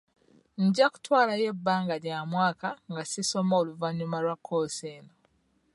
Nja kutwalayo ebbanga lya mwaka nga si soma oluvannyuma lwa kkoosi eno.